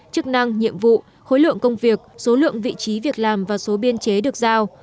chức năng nhiệm vụ khối lượng công việc số lượng vị trí việc làm và số biên chế được giao